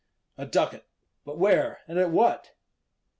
"A ducat! But where and at what?"